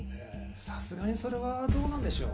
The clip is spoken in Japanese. さすがにそれはどうなんでしょう？